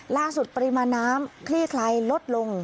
ปริมาณน้ำคลี่คลายลดลง